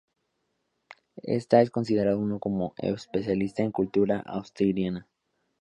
Esta considerado como un especialista en cultura asturiana.